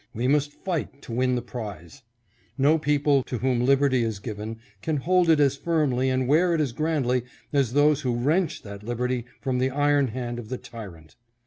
We must fight to win the prize. No people to whom liberty is given, can hold it as firmly and wear it as grandly as those who wrench their liberty from the iron hand of the tyrant.